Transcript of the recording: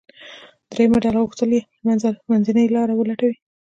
درېیمه ډله غوښتل یې منځنۍ لاره ولټوي.